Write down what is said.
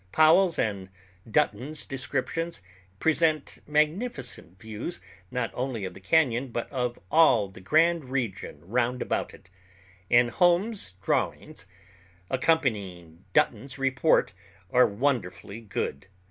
Powell's and Dutton's descriptions present magnificent views not only of the cañon but of all the grand region round about it; and Holmes's drawings, accompanying Dutton's report, are wonderfully good.